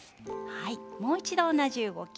もう一度、同じ動き。